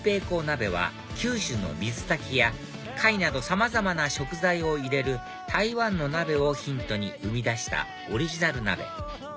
鍋は九州の水炊きや貝などさまざまな食材を入れる台湾の鍋をヒントに生み出したオリジナル鍋